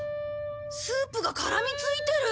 スープが絡みついてる！